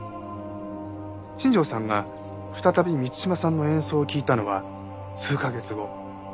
新庄さんが再び満島さんの演奏を聴いたのは数カ月後。